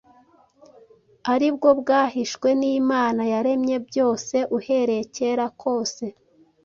ari bwo bwahishwe n’Imana yaremye byose uhereye kera kose;